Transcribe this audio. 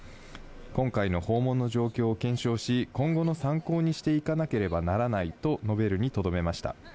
今回の訪問の状況を検証し、今後の参考にしていかなければならないと述べるにとどめました。